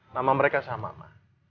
nama mereka sama ma